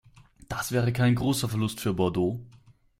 Das wäre kein großer Verlust für Bordeaux.